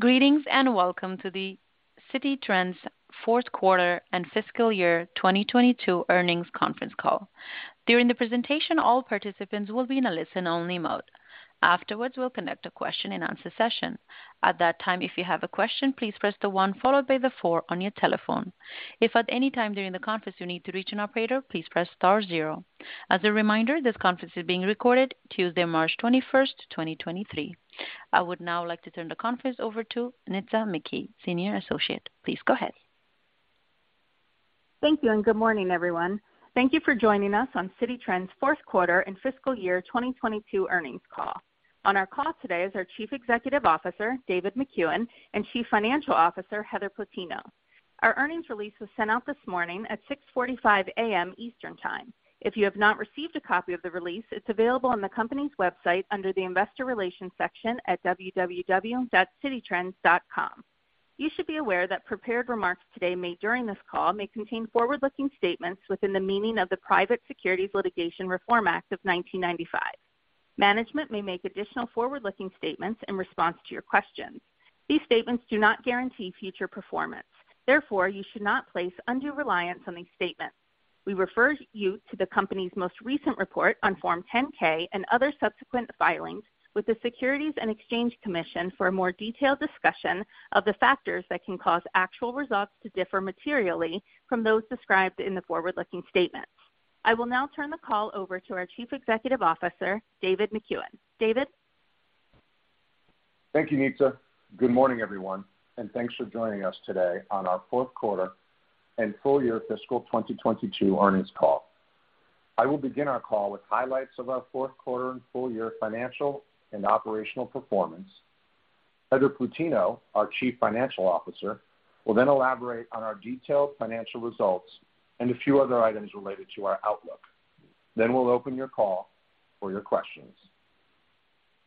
Greetings, welcome to the Citi Trends fourth quarter and fiscal year 2022 earnings conference call. During the presentation, all participants will be in a listen-only mode. Afterwards, we'll conduct a question-and-answer session. At that time, if you have a question, please press the one followed by the four on your telephone. If at any time during the conference you need to reach an operator, please press star zero. As a reminder, this conference is being recorded Tuesday, March 21st, 2023. I would now like to turn the conference over to Nitza McKee, Senior Associate. Please go ahead. Thank you. Good morning, everyone. Thank you for joining us on Citi Trends fourth quarter and fiscal year 2022 earnings call. On our call today is our Chief Executive Officer, David Makuen, and Chief Financial Officer, Heather Plutino. Our earnings release was sent out this morning at 6:45 A.M. Eastern Time. If you have not received a copy of the release, it's available on the company's website under the Investor Relations section at www.cititrends.com. You should be aware that prepared remarks today made during this call may contain forward-looking statements within the meaning of the Private Securities Litigation Reform Act of 1995. Management may make additional forward-looking statements in response to your questions. These statements do not guarantee future performance. Therefore, you should not place undue reliance on these statements. We refer you to the company's most recent report on Form 10-K and other subsequent filings with the Securities and Exchange Commission for a more detailed discussion of the factors that can cause actual results to differ materially from those described in the forward-looking statements. I will now turn the call over to our Chief Executive Officer, David Makuen. David. Thank you, Nitza. Good morning, everyone. Thanks for joining us today on our fourth quarter and full year fiscal 2022 earnings call. I will begin our call with highlights of our fourth quarter and full year financial and operational performance. Heather Plutino, our Chief Financial Officer, will elaborate on our detailed financial results and a few other items related to our outlook. We'll open your call for your questions.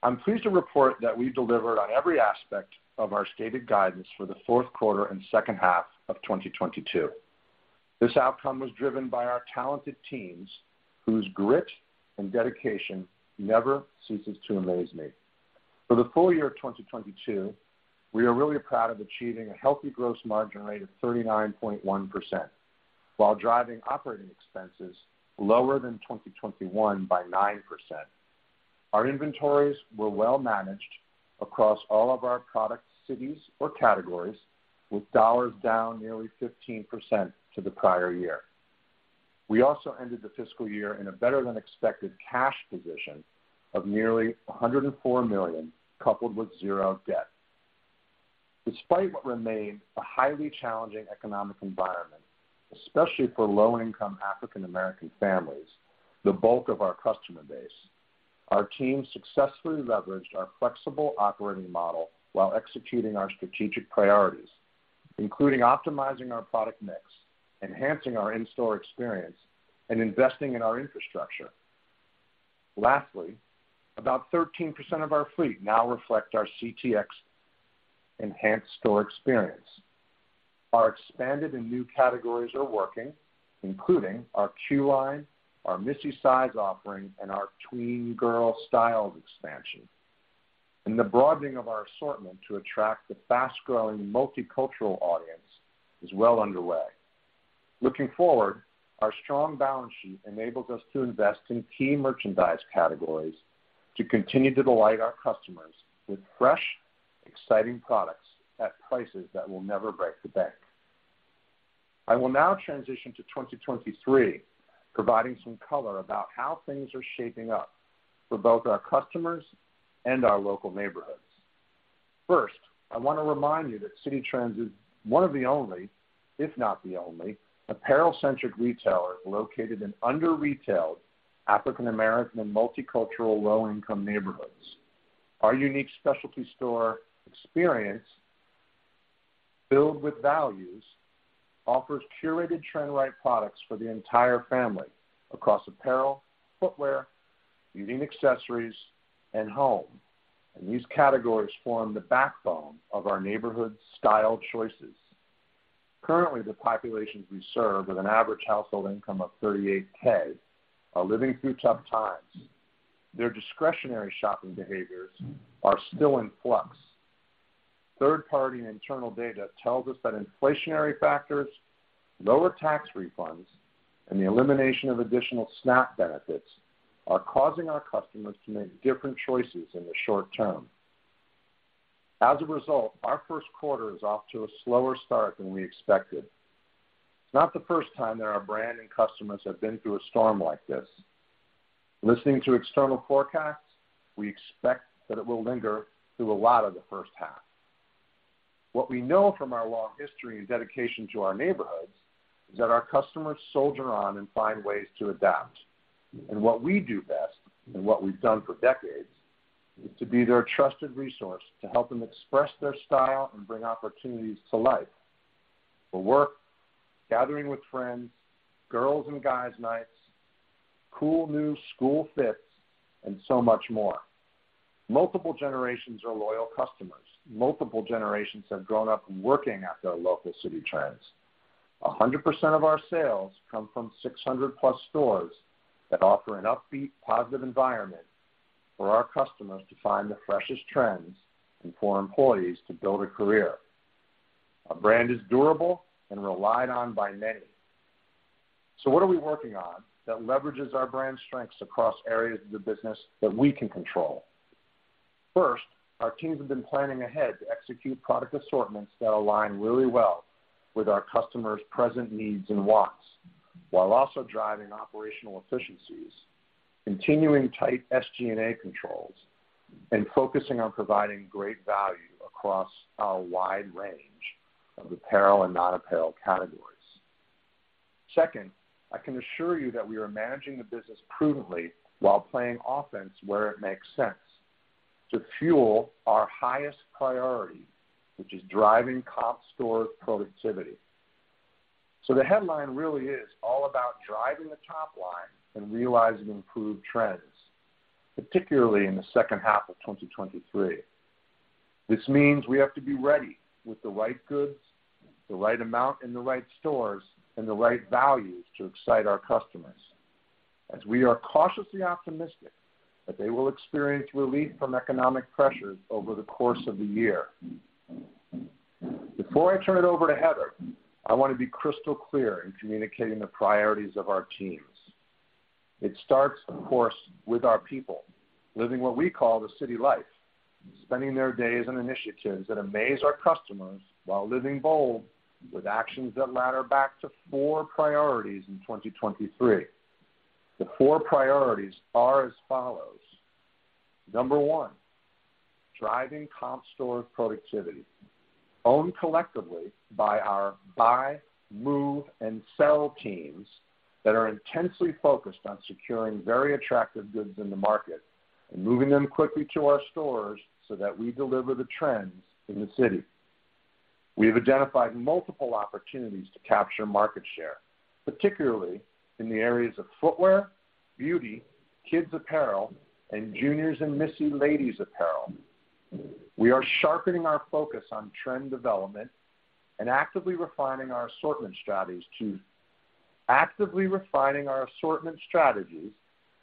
I'm pleased to report that we delivered on every aspect of our stated guidance for the fourth quarter and second half of 2022. This outcome was driven by our talented teams whose grit and dedication never ceases to amaze me. For the full year of 2022, we are really proud of achieving a healthy gross margin rate of 39.1% while driving operating expenses lower than 2021 by 9%. Our inventories were well managed across all of our product cities or categories, with dollars down nearly 15% to the prior year. We also ended the fiscal year in a better than expected cash position of nearly $104 million, coupled with zero debt. Despite what remained a highly challenging economic environment, especially for low income African American families, the bulk of our customer base, our team successfully leveraged our flexible operating model while executing our strategic priorities, including optimizing our product mix, enhancing our in-store experience, and investing in our infrastructure. About 13% of our fleet now reflect our CTx enhanced store experience. Our expanded and new categories are working, including our Q line, our Missy size offering, and our Tween girl styles expansion. The broadening of our assortment to attract the fast growing multicultural audience is well underway. Looking forward, our strong balance sheet enables us to invest in key merchandise categories to continue to delight our customers with fresh, exciting products at prices that will never break the bank. I will now transition to 2023, providing some color about how things are shaping up for both our customers and our local neighborhoods. First, I wanna remind you that Citi Trends is one of the only, if not the only, apparel centric retailer located in under-retailed African American and multicultural low income neighborhoods. Our unique specialty store experience, filled with values, offers curated trend right products for the entire family across apparel, footwear, beauty and accessories, and home. These categories form the backbone of our neighborhood style choices. Currently, the populations we serve, with an average household income of $38K, are living through tough times. Their discretionary shopping behaviors are still in flux. Third party and internal data tells us that inflationary factors, lower tax refunds, and the elimination of additional SNAP benefits are causing our customers to make different choices in the short term. As a result, our first quarter is off to a slower start than we expected. It's not the first time that our brand and customers have been through a storm like this. Listening to external forecasts, we expect that it will linger through a lot of the first half. What we know from our long history and dedication to our neighborhoods is that our customers soldier on and find ways to adapt. What we do best, and what we've done for decades, is to be their trusted resource to help them express their style and bring opportunities to life, for work, gathering with friends, girls and guys nights, cool new school fits, and so much more. Multiple generations are loyal customers. Multiple generations have grown up working at their local Citi Trends. 100% of our sales come from 600+ stores that offer an upbeat, positive environment for our customers to find the freshest trends and for employees to build a career. Our brand is durable and relied on by many. What are we working on that leverages our brand strengths across areas of the business that we can control? First, our teams have been planning ahead to execute product assortments that align really well with our customers' present needs and wants, while also driving operational efficiencies, continuing tight SG&A controls, and focusing on providing great value across our wide range of apparel and non-apparel categories. Second, I can assure you that we are managing the business prudently while playing offense where it makes sense to fuel our highest priority, which is driving comp store productivity. The headline really is all about driving the top line and realizing improved trends, particularly in the second half of 2023. This means we have to be ready with the right goods, the right amount in the right stores, and the right values to excite our customers as we are cautiously optimistic that they will experience relief from economic pressures over the course of the year. Before I turn it over to Heather, I want to be crystal clear in communicating the priorities of our teams. It starts, of course, with our people living what we call the Citi Life, spending their days on initiatives that amaze our customers while living bold with actions that ladder back to four priorities in 2023. The four priorities are as follows. Number one, driving comp store productivity, owned collectively by our buy, move, and sell teams that are intensely focused on securing very attractive goods in the market and moving them quickly to our stores so that we deliver the trends in the city. We have identified multiple opportunities to capture market share, particularly in the areas of footwear, beauty, kids apparel, and juniors and Missy ladies apparel. We are sharpening our focus on trend development and actively refining our assortment strategies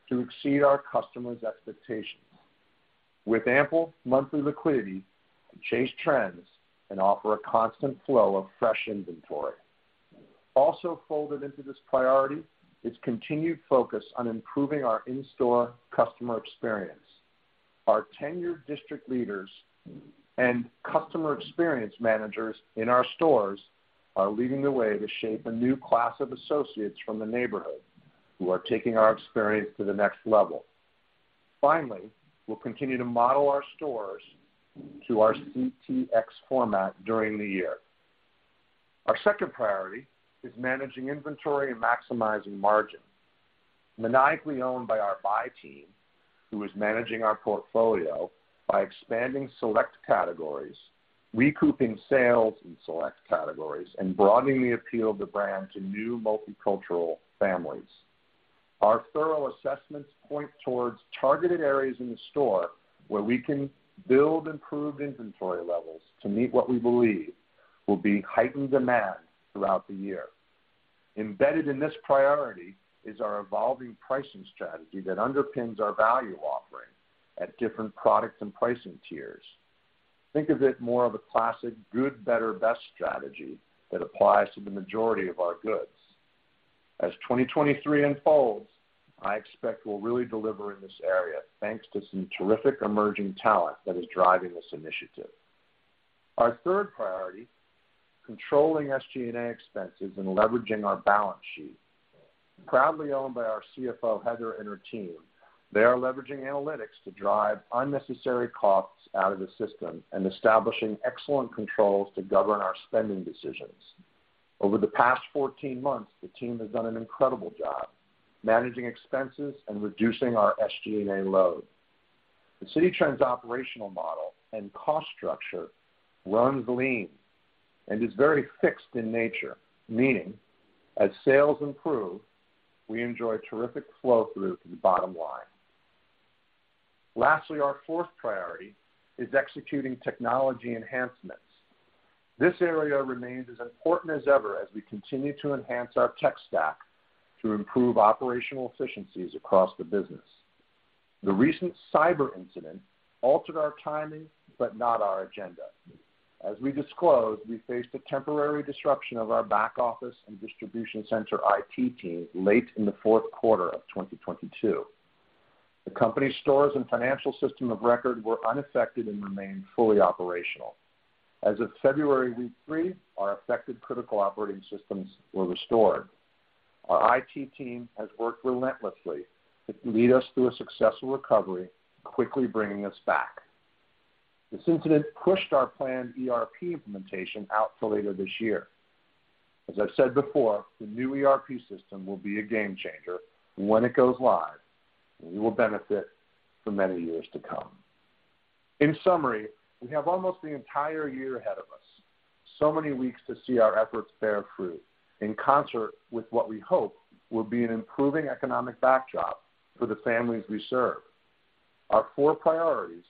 to exceed our customers' expectations with ample monthly liquidity to chase trends and offer a constant flow of fresh inventory. Folded into this priority is continued focus on improving our in-store customer experience. Our tenured district leaders and customer experience managers in our stores are leading the way to shape a new class of associates from the neighborhood who are taking our experience to the next level. We'll continue to model our stores to our CTx format during the year. Our second priority is managing inventory and maximizing margin. Maniacally owned by our buy team, who is managing our portfolio by expanding select categories, recouping sales in select categories, and broadening the appeal of the brand to new multicultural families. Our thorough assessments point towards targeted areas in the store where we can build improved inventory levels to meet what we believe will be heightened demand throughout the year. Embedded in this priority is our evolving pricing strategy that underpins our value offering at different products and pricing tiers. Think of it more of a classic good, better, best strategy that applies to the majority of our goods. As 2023 unfolds, I expect we'll really deliver in this area, thanks to some terrific emerging talent that is driving this initiative. Our third priority, controlling SG&A expenses and leveraging our balance sheet. Proudly owned by our CFO, Heather, and her team, they are leveraging analytics to drive unnecessary costs out of the system and establishing excellent controls to govern our spending decisions. Over the past 14 months, the team has done an incredible job managing expenses and reducing our SG&A load. The Citi Trends operational model and cost structure runs lean and is very fixed in nature, meaning as sales improve, we enjoy terrific flow through to the bottom line. Our fourth priority is executing technology enhancements. This area remains as important as ever as we continue to enhance our tech stack to improve operational efficiencies across the business. The recent cyber incident altered our timing, but not our agenda. As we disclosed, we faced a temporary disruption of our back office and distribution center IT team late in the fourth quarter of 2022. The company stores and financial system of record were unaffected and remained fully operational. As of February week three, our affected critical operating systems were restored. Our IT team has worked relentlessly to lead us through a successful recovery, quickly bringing us back. This incident pushed our planned ERP implementation out till later this year. As I've said before, the new ERP system will be a game changer when it goes live, and we will benefit for many years to come. In summary, we have almost the entire year ahead of us. Many weeks to see our efforts bear fruit in concert with what we hope will be an improving economic backdrop for the families we serve. Our four priorities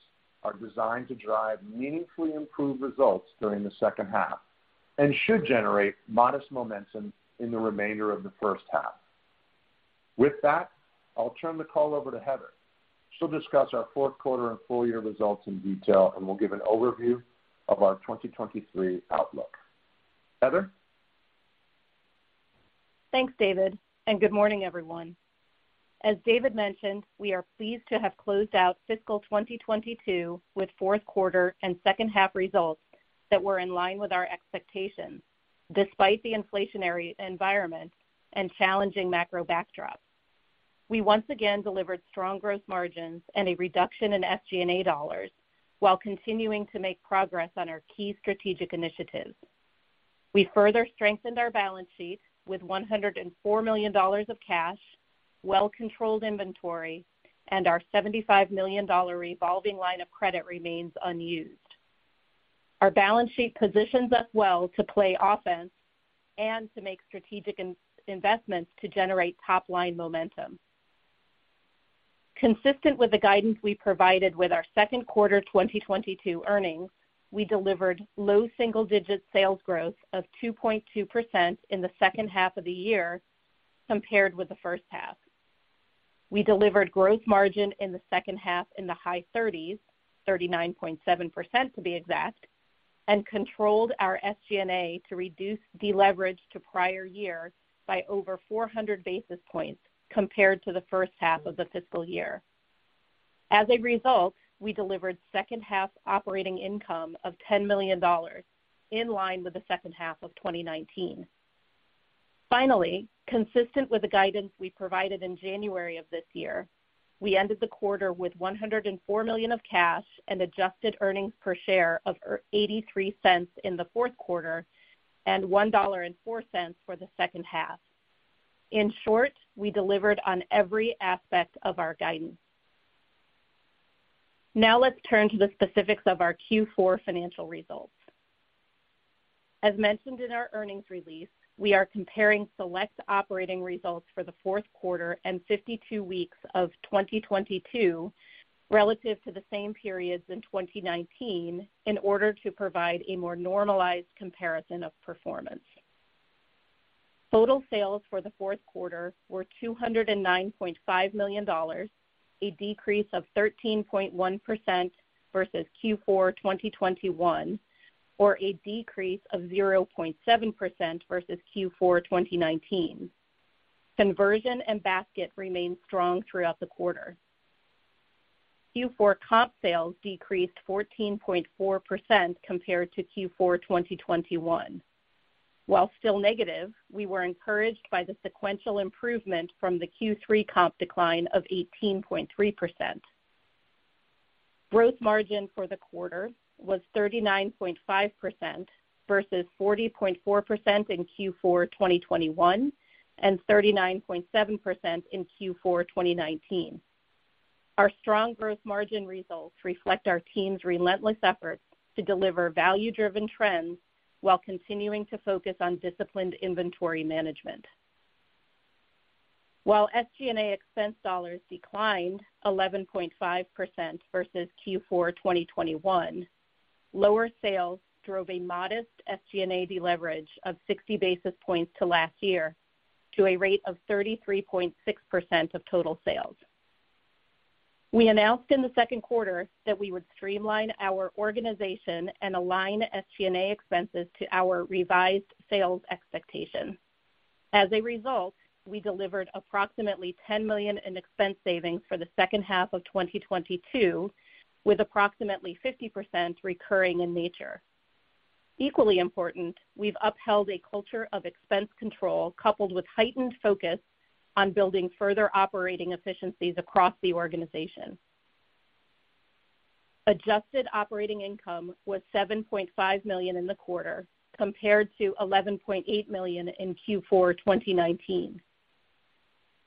are designed to drive meaningfully improved results during the second half and should generate modest momentum in the remainder of the first half. With that, I'll turn the call over to Heather. She'll discuss our fourth quarter and full year results in detail, and we'll give an overview of our 2023 outlook. Heather? Thanks, David. Good morning, everyone. As David mentioned, we are pleased to have closed out fiscal 2022 with fourth quarter and second half results that were in line with our expectations, despite the inflationary environment and challenging macro backdrop. I once again delivered strong growth margins and a reduction in SG&A dollars while continuing to make progress on our key strategic initiatives. We further strengthened our balance sheet with $104 million of cash, well-controlled inventory, and our $75 million revolving line of credit remains unused. Our balance sheet positions us well to play offense and to make strategic in-investments to generate top line momentum. Consistent with the guidance we provided with our second quarter 2022 earnings, we delivered low single-digit sales growth of 2.2% in the second half of the year compared with the first half. We delivered gross margin in the second half in the high 30s, 39.7% to be exact, and controlled our SG&A to reduce deleverage to prior year by over 400 basis points compared to the first half of the fiscal year. As a result, we delivered second half operating income of $10 million, in line with the second half of 2019. Finally, consistent with the guidance we provided in January of this year, we ended the quarter with $104 million of cash and adjusted earnings per share of $0.83 in the fourth quarter and $1.04 for the second half. In short, we delivered on every aspect of our guidance. Now let's turn to the specifics of our Q4 financial results. As mentioned in our earnings release, we are comparing select operating results for the fourth quarter and 52 weeks of 2022 relative to the same periods in 2019 in order to provide a more normalized comparison of performance. Total sales for the fourth quarter were $209.5 million, a decrease of 13.1% versus Q4 2021, or a decrease of 0.7% versus Q4 2019. Conversion and basket remained strong throughout the quarter. Q4 comp sales decreased 14.4% compared to Q4 2021. While still negative, we were encouraged by the sequential improvement from the Q3 comp decline of 18.3%. Gross margin for the quarter was 39.5% versus 40.4% in Q4 2021 and 39.7% in Q4 2019. Our strong growth margin results reflect our team's relentless efforts to deliver value driven trends while continuing to focus on disciplined inventory management. While SG&A expense dollars declined 11.5% versus Q4 2021, lower sales drove a modest SG&A deleverage of 60 basis points to last year to a rate of 33.6% of total sales. We announced in the second quarter that we would streamline our organization and align SG&A expenses to our revised sales expectations. As a result, we delivered approximately $10 million in expense savings for the second half of 2022, with approximately 50% recurring in nature. Equally important, we've upheld a culture of expense control coupled with heightened focus on building further operating efficiencies across the organization. Adjusted operating income was $7.5 million in the quarter compared to $11.8 million in Q4 2019.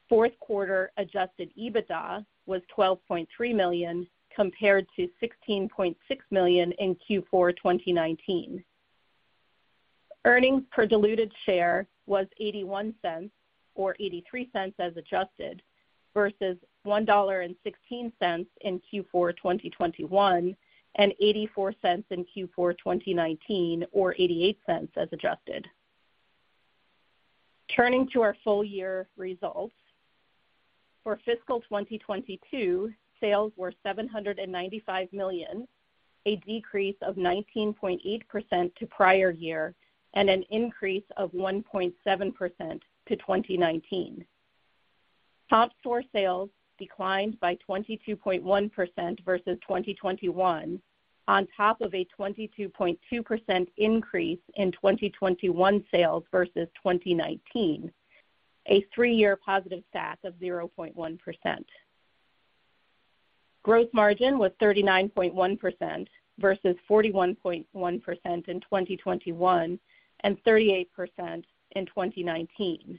Fourth quarter adjusted EBITDA was $12.3 million compared to $16.6 million in Q4 2019. Earnings per diluted share was $0.81 or $0.83 as adjusted, versus $1.16 in Q4 2021 and $0.84 in Q4 2019 or $0.88 as adjusted. Turning to our full year results. For fiscal 2022, sales were $795 million, a decrease of 19.8% to prior year and an increase of 1.7% to 2019. Top store sales declined by 22.1% versus 2021 on top of a 22.2% increase in 2021 sales versus 2019, a three-year positive stack of 0.1%. Gross margin was 39.1% versus 41.1% in 2021 and 38% in 2019.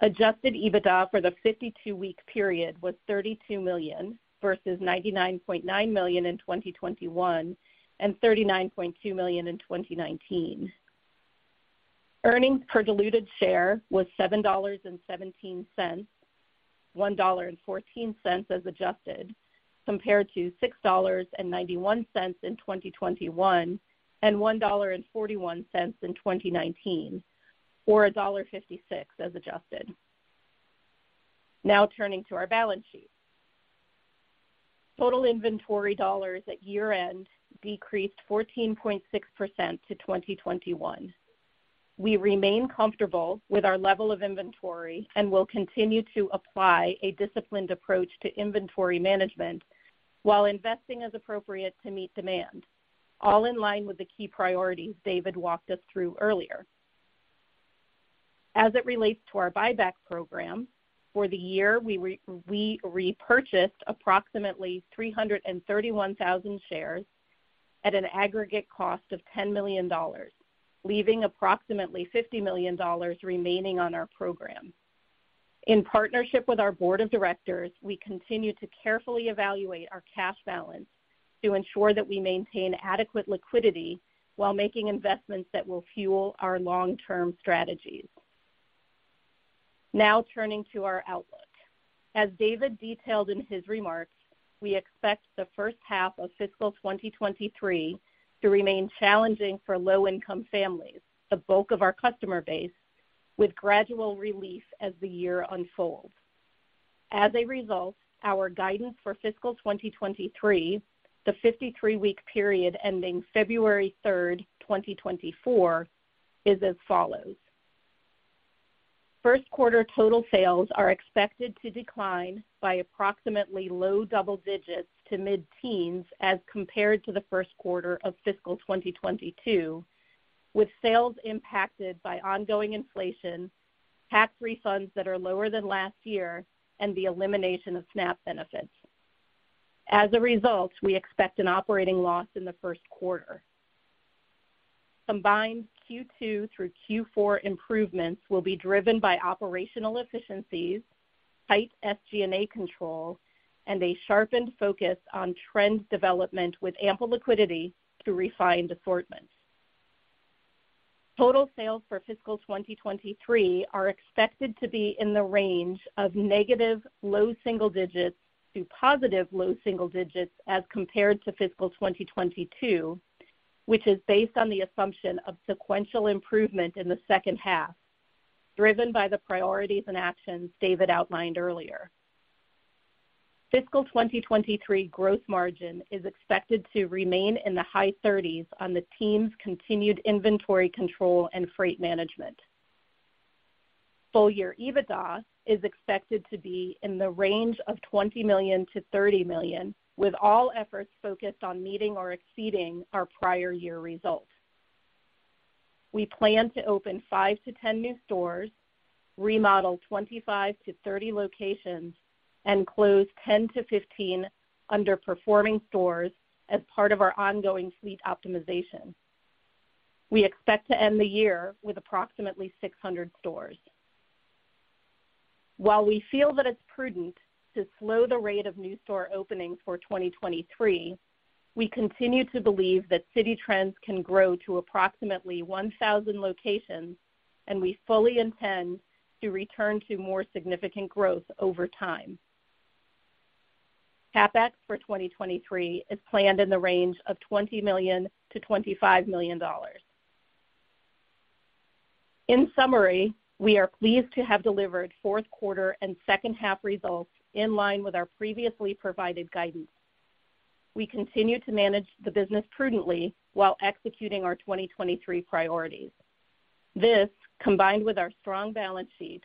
Adjusted EBITDA for the 52-week period was $32 million versus $99.9 million in 2021 and $39.2 million in 2019. Earnings per diluted share was $7.17, $1.14 as adjusted, compared to $6.91 in 2021 and $1.41 in 2019, or $1.56 as adjusted. Turning to our balance sheet. Total inventory dollars at year end decreased 14.6% to 2021. We remain comfortable with our level of inventory and will continue to apply a disciplined approach to inventory management while investing as appropriate to meet demand, all in line with the key priorities David walked us through earlier. As it relates to our buyback program, for the year, we repurchased approximately 331,000 shares at an aggregate cost of $10 million, leaving approximately $50 million remaining on our program. In partnership with our board of directors, we continue to carefully evaluate our cash balance to ensure that we maintain adequate liquidity while making investments that will fuel our long term strategies. Turning to our outlook. As David detailed in his remarks, we expect the first half of fiscal 2023 to remain challenging for low income families, the bulk of our customer base, with gradual relief as the year unfolds. Our guidance for fiscal 2023, the 53-week period ending February 3rd, 2024, is as follows. First quarter total sales are expected to decline by approximately low double digits to mid-teens as compared to the first quarter of fiscal 2022, with sales impacted by ongoing inflation, tax refunds that are lower than last year, and the elimination of SNAP benefits. We expect an operating loss in the first quarter. Combined Q2 through Q4 improvements will be driven by operational efficiencies, tight SG&A control, and a sharpened focus on trend development with ample liquidity through refined assortments. Total sales for fiscal 2023 are expected to be in the range of negative low single digits to positive low single digits as compared to fiscal 2022, which is based on the assumption of sequential improvement in the second half, driven by the priorities and actions David outlined earlier. Fiscal 2023 growth margin is expected to remain in the high 30s on the team's continued inventory control and freight management. Full year EBITDA is expected to be in the range of $20 million-$30 million, with all efforts focused on meeting or exceeding our prior year results. We plan to open 5-10 new stores, remodel 25-30 locations, and close 10-15 underperforming stores as part of our ongoing fleet optimization. We expect to end the year with approximately 600 stores. While we feel that it's prudent to slow the rate of new store openings for 2023, we continue to believe that Citi Trends can grow to approximately 1,000 locations, and we fully intend to return to more significant growth over time. CapEx for 2023 is planned in the range of $20 million-$25 million. In summary, we are pleased to have delivered fourth quarter and second half results in line with our previously provided guidance. We continue to manage the business prudently while executing our 2023 priorities. This, combined with our strong balance sheet,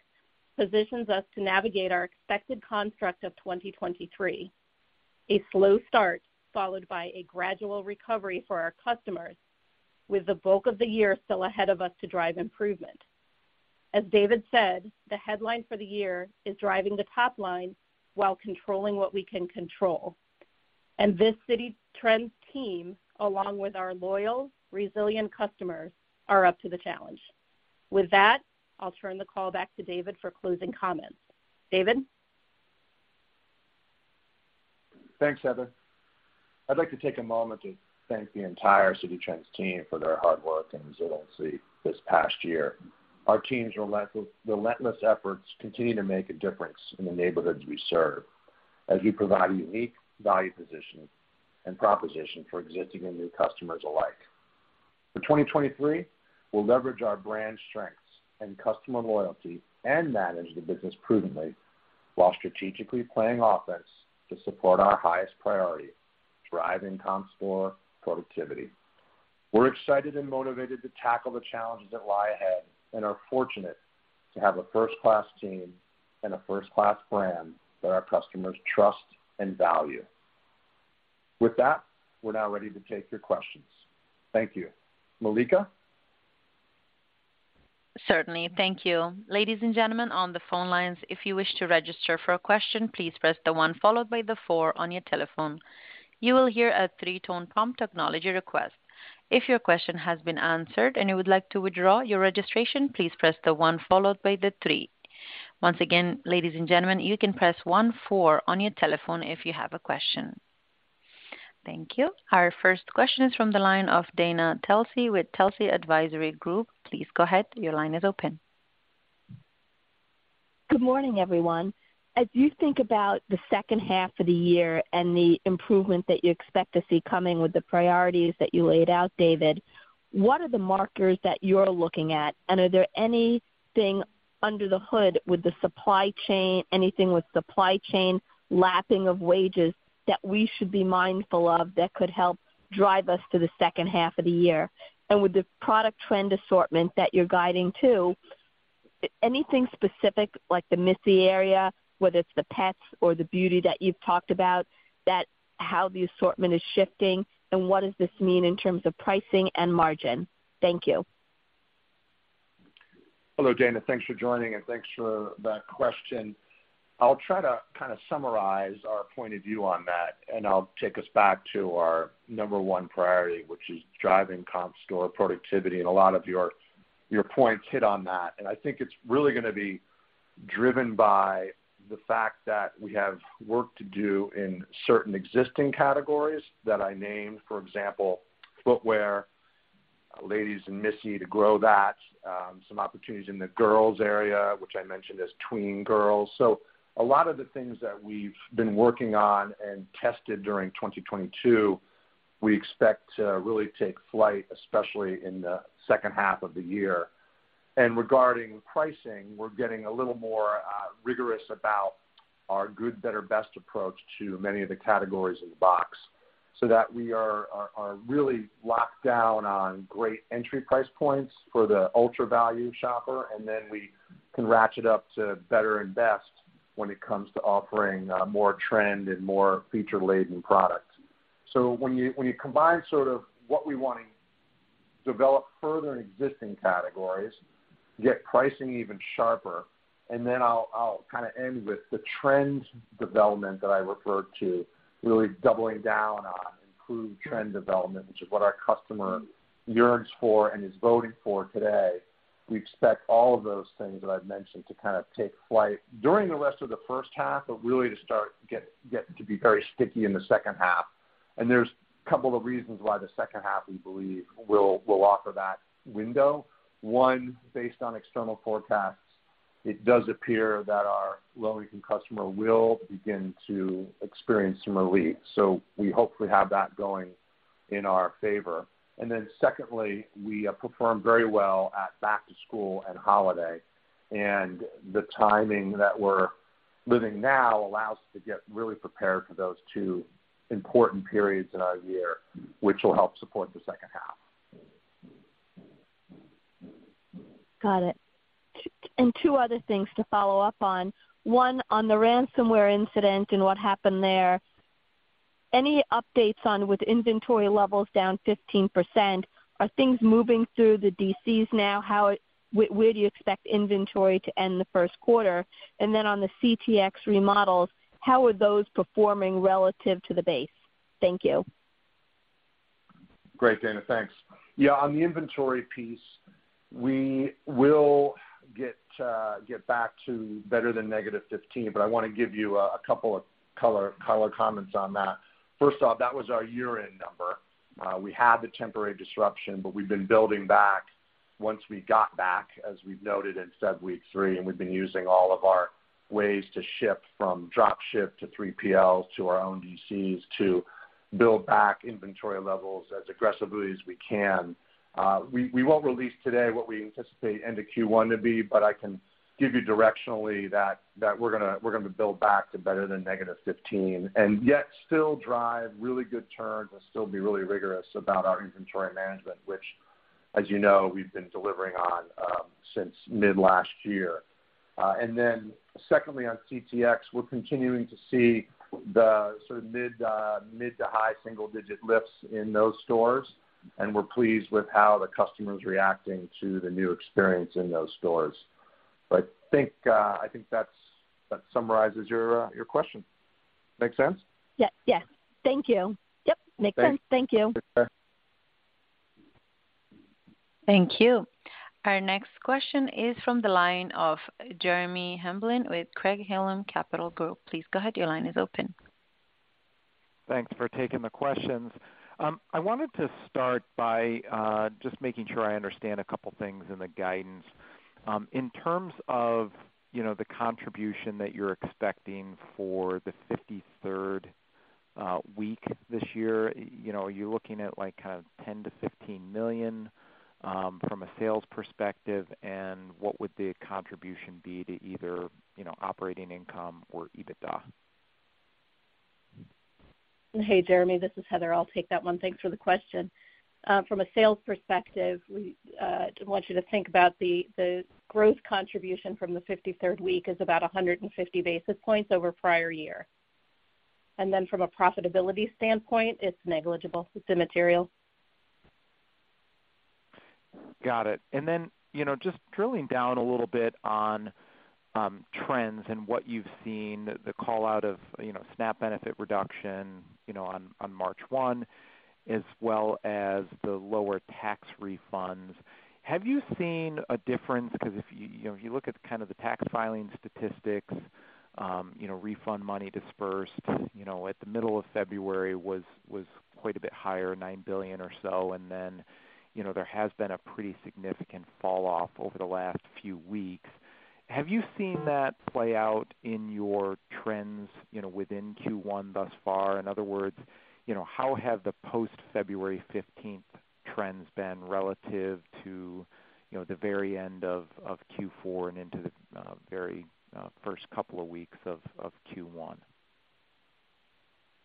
positions us to navigate our expected construct of 2023, a slow start followed by a gradual recovery for our customers, with the bulk of the year still ahead of us to drive improvement. As David said, the headline for the year is driving the top line while controlling what we can control. This Citi Trends team, along with our loyal, resilient customers, are up to the challenge. With that, I'll turn the call back to David for closing comments. David? Thanks, Heather. I'd like to take a moment to thank the entire Citi Trends team for their hard work and resiliency this past year. Our team's relentless efforts continue to make a difference in the neighborhoods we serve as we provide a unique value position and proposition for existing and new customers alike. For 2023, we'll leverage our brand strengths and customer loyalty and manage the business prudently while strategically playing offense to support our highest priority, driving comp store productivity. We're excited and motivated to tackle the challenges that lie ahead and are fortunate to have a first class team and a first class brand that our customers trust and value. With that, we're now ready to take your questions. Thank you. Malika? Certainly. Thank you. Ladies and gentlemen, on the phone lines, if you wish to register for a question, please press the one followed by the four on your telephone. You will hear a three-tone prompt acknowledging your request. If your question has been answered and you would like to withdraw your registration, please press the one followed by the three. Once again, ladies and gentlemen, you can press one four on your telephone if you have a question. Thank you. Our first question is from the line of Dana Telsey with Telsey Advisory Group. Please go ahead. Your line is open. Good morning, everyone. As you think about the second half of the year and the improvement that you expect to see coming with the priorities that you laid out, David, what are the markers that you're looking at? Are there anything under the hood with the supply chain, anything with supply chain, lapping of wages that we should be mindful of that could help drive us to the second half of the year? With the product trend assortment that you're guiding to, anything specific like the Missy area, whether it's the pets or the beauty that you've talked about, that how the assortment is shifting, and what does this mean in terms of pricing and margin? Thank you. Hello, Dana. Thanks for joining, and thanks for that question. I'll try to kind of summarize our point of view on that, and I'll take us back to our number one priority, which is driving comp store productivity, and a lot of your points hit on that. I think it's really gonna be driven by the fact that we have work to do in certain existing categories that I named, for example, footwear, ladies and Missy to grow that, some opportunities in the girls area, which I mentioned as Tween girls. A lot of the things that we've been working on and tested during 2022, we expect to really take flight, especially in the second half of the year. Regarding pricing, we're getting a little more rigorous about our good, better, best approach to many of the categories in the box, so that we are really locked down on great entry price points for the ultra value shopper, and then we can ratchet up to better and best when it comes to offering more trend and more feature-laden products. When you, when you combine sort of what we wanna develop further in existing categories, get pricing even sharper, and then I'll kinda end with the trends development that I referred to, really doubling down on improved trend development, which is what our customer yearns for and is voting for today. We expect all of those things that I've mentioned to kind of take flight during the rest of the first half, but really to start get to be very sticky in the second half. There's a couple of reasons why the second half we believe will offer that window. One, based on external forecasts, it does appear that our low-income customer will begin to experience some relief. We hopefully have that going in our favor. Secondly, we perform very well at back to school and holiday, and the timing that we're living now allows us to get really prepared for those two important periods in our year, which will help support the second half. Got it. Two other things to follow up on. One, on the ransomware incident and what happened there, any updates on with inventory levels down 15%, are things moving through the DCs now? Where do you expect inventory to end the first quarter? On the CTx remodels, how are those performing relative to the base? Thank you. Great, Dana. Thanks. Yeah, on the inventory piece, we will get back to better than -15%, I wanna give you a couple of color comments on that. First off, that was our year-end number. We had the temporary disruption, we've been building back once we got back, as we've noted in sub week three, we've been using all of our ways to ship from drop ship to 3PL to our own DCs to build back inventory levels as aggressively as we can. We won't release today what we anticipate end of Q1 to be, but I can give you directionally that we're gonna build back to better than -15%, and yet still drive really good turns and still be really rigorous about our inventory management, which, as you know, we've been delivering on since mid last year. Secondly, on CTX, we're continuing to see the sort of mid to high single-digit lifts in those stores, and we're pleased with how the customer's reacting to the new experience in those stores. Think, I think that summarizes your question. Make sense? Yeah, yeah. Thank you. Yep, makes sense. Thank you. Thanks. Sure. Thank you. Our next question is from the line of Jeremy Hamblin with Craig-Hallum Capital Group. Please go ahead. Your line is open. Thanks for taking the questions. I wanted to start by, just making sure I understand a couple things in the guidance. In terms of, you know, the contribution that you're expecting for the 53rd week this year, you know, are you looking at like kind of $10 million-$15 million, from a sales perspective? What would the contribution be to either, you know, operating income or EBITDA? Hey, Jeremy, this is Heather. I'll take that one. Thanks for the question. From a sales perspective, we want you to think about the growth contribution from the 53rd week is about 150 basis points over prior year. From a profitability standpoint, it's negligible. It's immaterial. Got it. You know, just drilling down a little bit on trends and what you've seen, the call out of, you know, SNAP benefit reduction, you know, on March 1. As well as the lower tax refunds. Have you seen a difference? Because if you know, if you look at kind of the tax filing statistics, you know, refund money disbursed, you know, at the middle of February was quite a bit higher, $9 billion or so, then, you know, there has been a pretty significant fall off over the last few weeks. Have you seen that play out in your trends, you know, within Q1 thus far? In other words, you know, how have the post-February 15th trends been relative to, you know, the very end of Q4 and into the very first couple of weeks of Q1?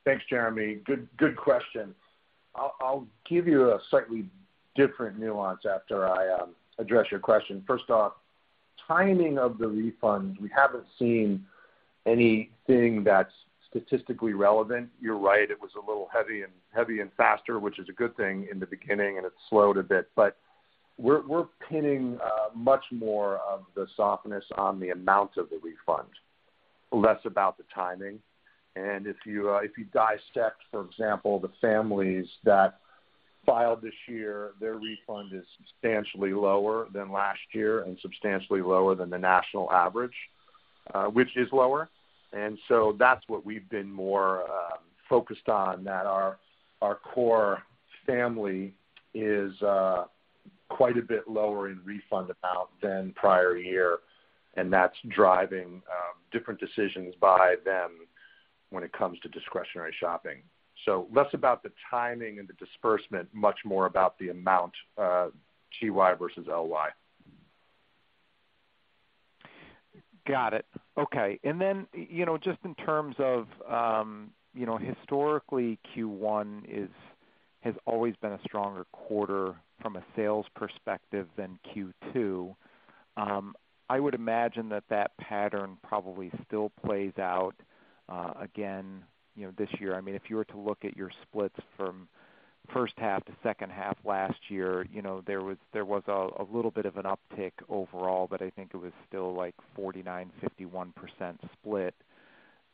Thanks, Jeremy. Good question. I'll give you a slightly different nuance after I address your question. First off, timing of the refund, we haven't seen anything that's statistically relevant. You're right, it was a little heavy and faster, which is a good thing in the beginning, and it slowed a bit. We're pinning much more of the softness on the amount of the refund, less about the timing. If you dissect, for example, the families that filed this year, their refund is substantially lower than last year and substantially lower than the national average, which is lower. That's what we've been more focused on, that our core family is quite a bit lower in refund amount than prior year, and that's driving different decisions by them when it comes to discretionary shopping. Less about the timing and the disbursement, much more about the amount, TY versus LY. Got it. Okay. You know, just in terms of, you know, historically, Q1 is, has always been a stronger quarter from a sales perspective than Q2. I would imagine that that pattern probably still plays out, again, you know, this year. I mean, if you were to look at your splits from first half to second half last year, you know, there was a little bit of an uptick overall, but I think it was still like 49%, 51% split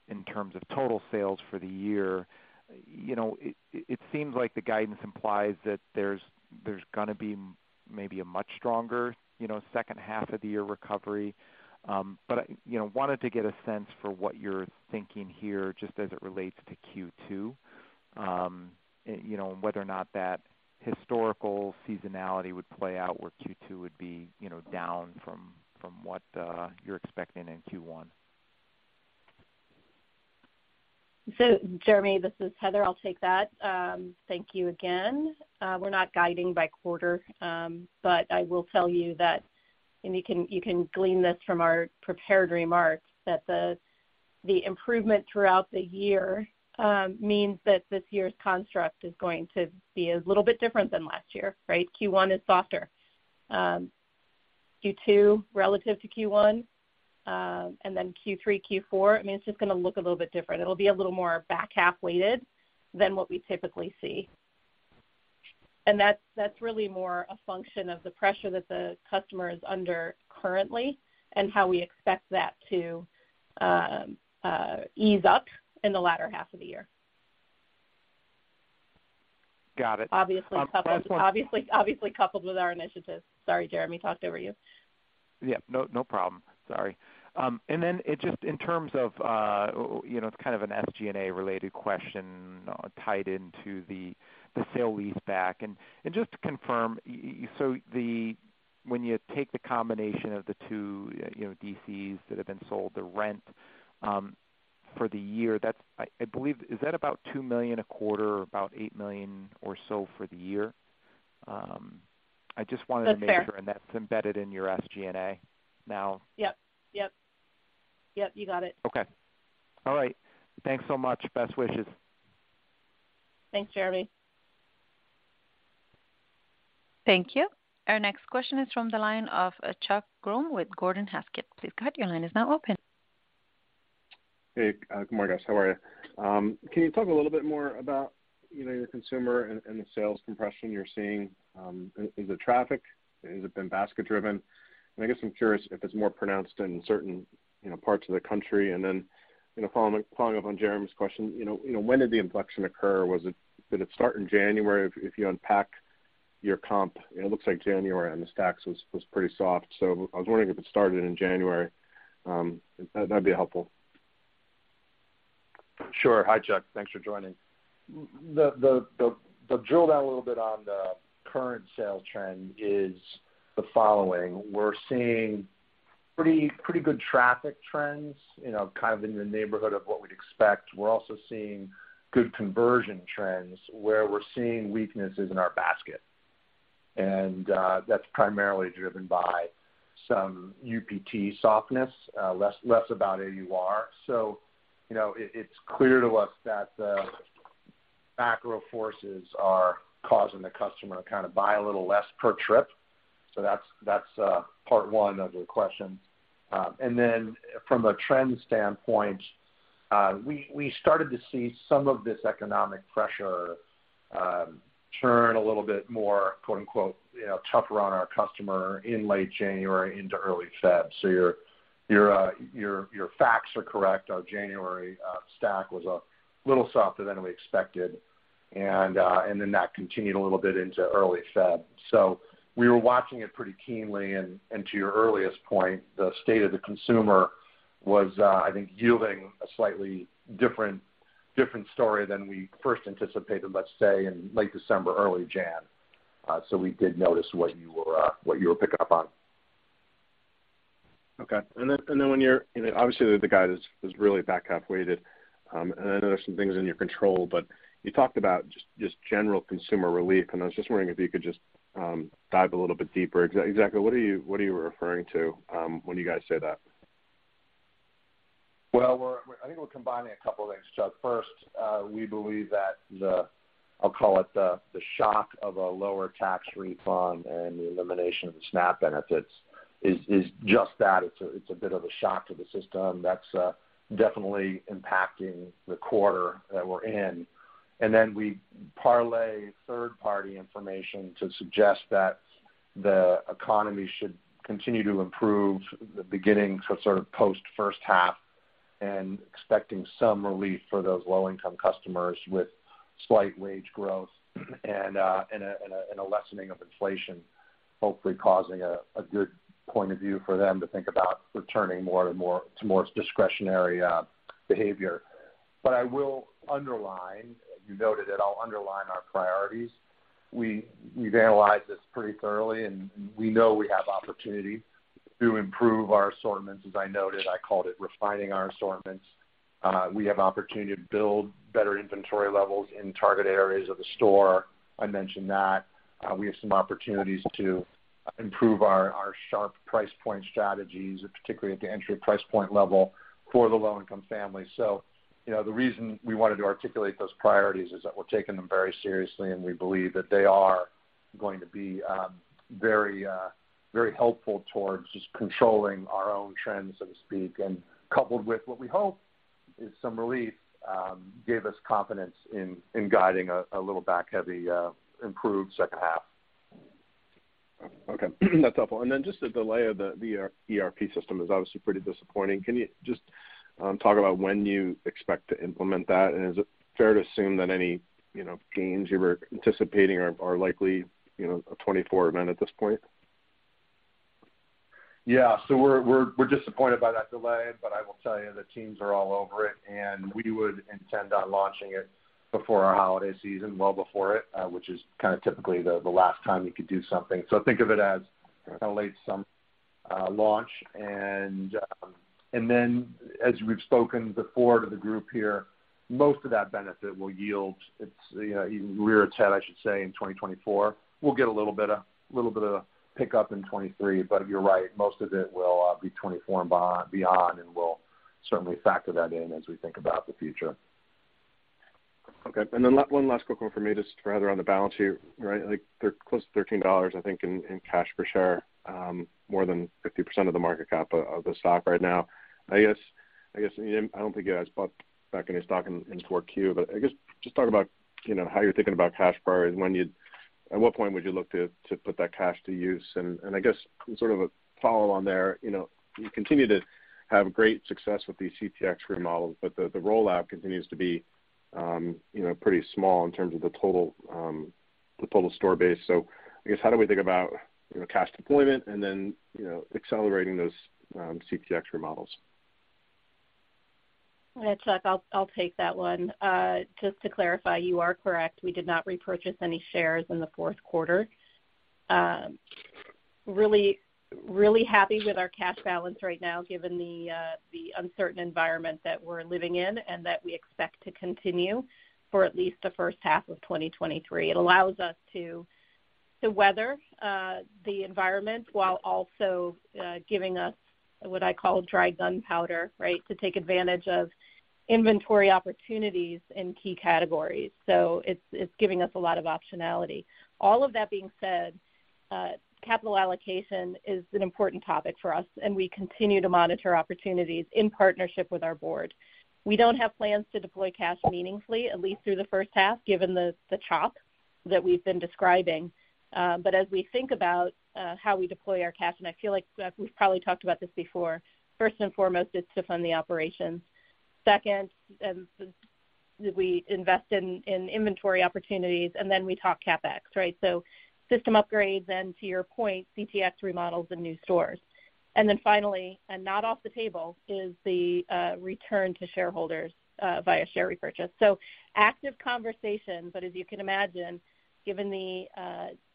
in terms of total sales for the year. You know, it seems like the guidance implies that there's gonna be maybe a much stronger, you know, second half of the year recovery. I, you know, wanted to get a sense for what you're thinking here, just as it relates to Q2. you know, whether or not that historical seasonality would play out, where Q2 would be, you know, down from what, you're expecting in Q1. Jeremy, this is Heather, I'll take that. Thank you again. We're not guiding by quarter. But I will tell you that, and you can glean this from our prepared remarks, that the improvement throughout the year means that this year's construct is going to be a little bit different than last year, right. Q1 is softer. Q2, relative to Q1, and then Q3, Q4, I mean, it's just gonna look a little bit different. It'll be a little more back half weighted than what we typically see. That's really more a function of the pressure that the customer is under currently and how we expect that to ease up in the latter half of the year. Got it. Obviously coupled- Last one. Obviously coupled with our initiatives. Sorry, Jeremy, talked over you. Yeah. No, no problem. Sorry. Then it just in terms of, you know, it's kind of an SG&A related question tied into the sale lease back. Just to confirm, when you take the combination of the two, you know, DCs that have been sold, the rent, for the year, that's, I believe... Is that about $2 million a quarter or about $8 million or so for the year? I just wanted to make sure. That's fair. That's embedded in your SG&A now. Yep. Yep. Yep, you got it. Okay. All right. Thanks so much. Best wishes. Thanks, Jeremy. Thank you. Our next question is from the line of Chuck Grom with Gordon Haskett. Please go ahead, your line is now open. Hey, good morning, guys. How are you? Can you talk a little bit more about, you know, your consumer and the sales compression you're seeing? Is it traffic? Is it been basket-driven? I guess I'm curious if it's more pronounced in certain, you know, parts of the country. Then, you know, following up on Jeremy's question, when did the inflection occur? Did it start in January? If you unpack your comp, it looks like January and the stacks was pretty soft. I was wondering if it started in January. That'd be helpful. Sure. Hi, Chuck. Thanks for joining. The drill down a little bit on the current sales trend is the following: We're seeing pretty good traffic trends, you know, kind of in the neighborhood of what we'd expect. We're also seeing good conversion trends where we're seeing weaknesses in our basket. That's primarily driven by some UPT softness, less about AUR. You know, it's clear to us that the macro forces are causing the customer to kind of buy a little less per trip. That's part one of your question. Then from a trend standpoint, we started to see some of this economic pressure, turn a little bit more, quote-unquote, you know, tougher on our customer in late January into early Feb. Your facts are correct. Our January stack was a little softer than we expected and then that continued a little bit into early February. We were watching it pretty keenly and to your earliest point, the state of the consumer was I think yielding a slightly different story than we first anticipated, let's say in late December, early January. We did notice what you were picking up on. Okay. Then when you're, you know, obviously the guide is really back half weighted, I know there's some things in your control, you talked about just general consumer relief, I was just wondering if you could just dive a little bit deeper. Exactly what are you referring to, when you guys say that? Well, I think we're combining a couple things, Chuck. First, we believe that the, I'll call it the shock of a lower tax refund and the elimination of the SNAP benefits is just that. It's a bit of a shock to the system that's definitely impacting the quarter that we're in. Then we parlay third party information to suggest that the economy should continue to improve the beginning to sort of post first half and expecting some relief for those low income customers with slight wage growth and a lessening of inflation, hopefully causing a good point of view for them to think about returning more and more to more discretionary behavior. I will underline, you noted it, I'll underline our priorities. We've analyzed this pretty thoroughly, and we know we have opportunity to improve our assortments. As I noted, I called it refining our assortments. We have opportunity to build better inventory levels in target areas of the store. I mentioned that we have some opportunities to improve our sharp price point strategies, particularly at the entry price point level for the low income families. You know, the reason we wanted to articulate those priorities is that we're taking them very seriously, and we believe that they are going to be very, very helpful towards just controlling our own trends, so to speak, and coupled with what we hope is some relief gave us confidence in guiding a little back heavy improved second half. Okay. That's helpful. Then just the delay of the ERP system is obviously pretty disappointing. Can you just talk about when you expect to implement that? Is it fair to assume that any, you know, gains you were anticipating are likely, you know, a 2024 event at this point? Yeah. We're disappointed by that delay, but I will tell you the teams are all over it, and we would intend on launching it before our holiday season, well before it, which is kind of typically the last time you could do something. Think of it as kinda late summer launch. Then as we've spoken before to the group here, most of that benefit will yield its, you know, rear its head, I should say, in 2024. We'll get a little bit of pickup in 2023, you're right, most of it will be 2024 and bond-beyond, and we'll certainly factor that in as we think about the future. Okay. One last quick one for me, just rather on the balance sheet, right? Like they're close to $13, I think in cash per share, more than 50% of the market cap of the stock right now. I guess I don't think you guys bought back any stock in 4Q, but I guess just talk about, you know, how you're thinking about cash priorities, when you'd. At what point would you look to put that cash to use? I guess sort of a follow on there, you know, you continue to have great success with these CTx remodels, but the rollout continues to be, you know, pretty small in terms of the total store base. I guess how do we think about, you know, cash deployment and then, you know, accelerating those, CTx remodels? Chuck, I'll take that one. Just to clarify, you are correct. We did not repurchase any shares in the fourth quarter. Really happy with our cash balance right now given the uncertain environment that we're living in and that we expect to continue for at least the first half of 2023. It allows us to weather the environment while also giving us what I call dry gunpowder, right? To take advantage of inventory opportunities in key categories. It's giving us a lot of optionality. All of that being said, capital allocation is an important topic for us, and we continue to monitor opportunities in partnership with our board. We don't have plans to deploy cash meaningfully, at least through the first half, given the chop that we've been describing. As we think about how we deploy our cash, and I feel like we've probably talked about this before, first and foremost it's to fund the operations. Second, we invest in inventory opportunities, and then we talk CapEx, right? System upgrades and to your point, CTx remodels and new stores. Finally, and not off the table, is the return to shareholders via share repurchase. Active conversation, but as you can imagine, given the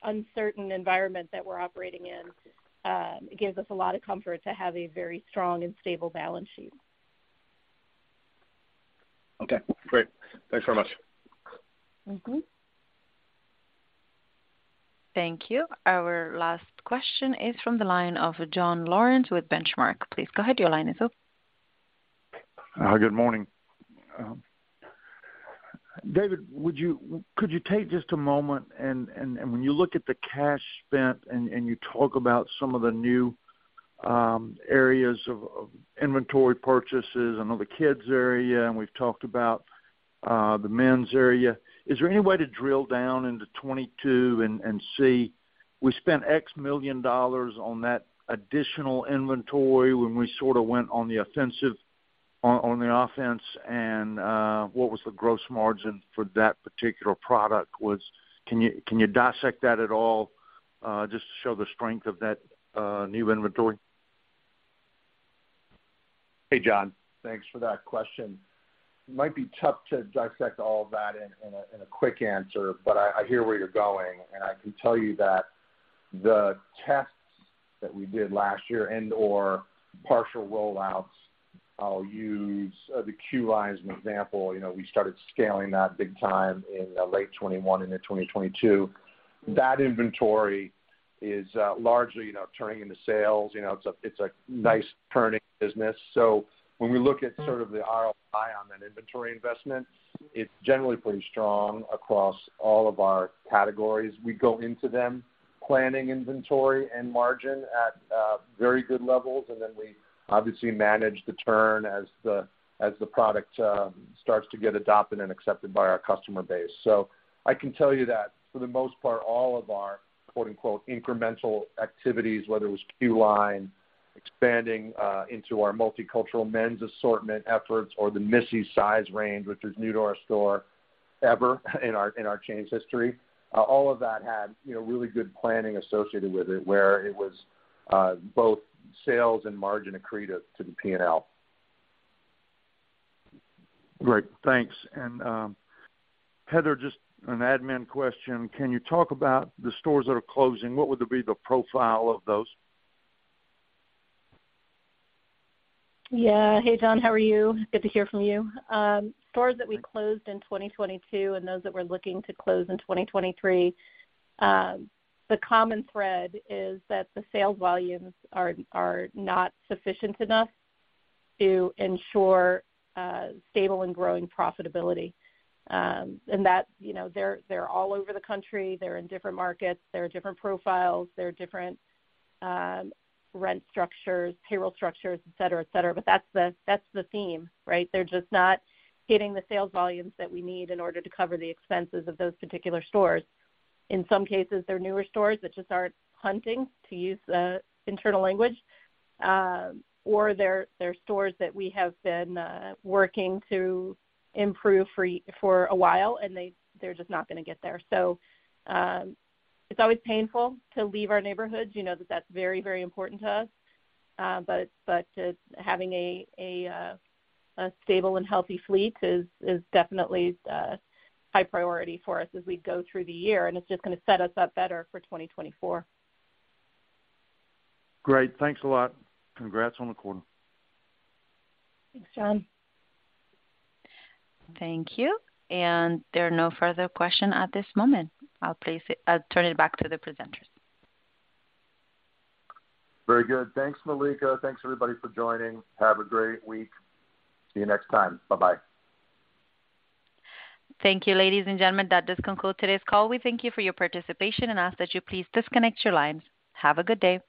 uncertain environment that we're operating in, it gives us a lot of comfort to have a very strong and stable balance sheet. Okay, great. Thanks very much. Mm-hmm. Thank you. Our last question is from the line of John Lawrence with Benchmark. Please go ahead, your line is open. Good morning. David, could you take just a moment and when you look at the cash spent and you talk about some of the new. Areas of inventory purchases. I know the kids area, and we've talked about the men's area. Is there any way to drill down into 22 and see we spent X million dollars on that additional inventory when we sorta went on the offense and what was the gross margin for that particular product was? Can you dissect that at all, just to show the strength of that new inventory? Hey, John. Thanks for that question. It might be tough to dissect all of that in a quick answer, but I hear where you're going, and I can tell you that the tests that we did last year and/or partial roll-outs, I'll use the Q line as an example. You know, we started scaling that big time in late 2021 into 2022. That inventory is largely, you know, turning into sales. You know, it's a nice turning business. When we look at sort of the ROI on that inventory investment, it's generally pretty strong across all of our categories. We go into them planning inventory and margin at very good levels, and then we obviously manage the turn as the product starts to get adopted and accepted by our customer base. I can tell you that for the most part, all of our "incremental activities," whether it was Q line, expanding into our multicultural men's assortment efforts or the Missy size range, which is new to our store ever in our, in our chain's history, all of that had, you know, really good planning associated with it, where it was both sales and margin accretive to the P&L. Great. Thanks. Heather, just an admin question. Can you talk about the stores that are closing? What would be the profile of those? Hey, John, how are you? Good to hear from you. Stores that we closed in 2022 and those that we're looking to close in 2023, the common thread is that the sales volumes are not sufficient enough to ensure stable and growing profitability. You know, they're all over the country. They're in different markets. They're different profiles. They're different rent structures, payroll structures, et cetera, et cetera. That's the theme, right? They're just not hitting the sales volumes that we need in order to cover the expenses of those particular stores. In some cases, they're newer stores that just aren't hunting, to use internal language, or they're stores that we have been working to improve for a while, they're just not gonna get there. It's always painful to leave our neighborhoods, you know that's very important to us. Having a stable and healthy fleet is definitely high priority for us as we go through the year, and it's just gonna set us up better for 2024. Great. Thanks a lot. Congrats on the quarter. Thanks, John. Thank you. There are no further question at this moment. I'll turn it back to the presenters. Very good. Thanks, Malika. Thanks, everybody, for joining. Have a great week. See you next time. Bye-bye. Thank you, ladies and gentlemen. That does conclude today's call. We thank you for your participation and ask that you please disconnect your lines. Have a good day.